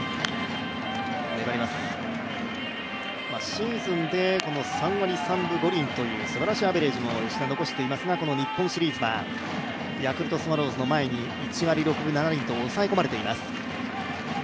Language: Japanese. シーズンで３割３分５厘というすばらしいアベレージも吉田、残していますがこの日本シリーズはヤクルトスワローズの前に１割６分７厘と抑え込まれています。